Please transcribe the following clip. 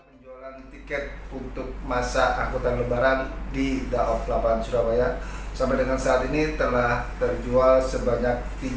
penjualan tiket untuk masa angkutan lebaran di daob delapan surabaya sampai dengan saat ini telah terjual sebanyak tiga ratus enam puluh ribu